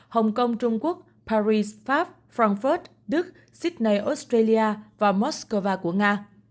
hong kong trung quốc paris pháp frankfurt đức sydney australia và moscow của nga